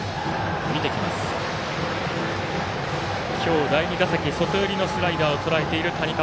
今日第２打席、外寄りのスライダーをとらえている谷川。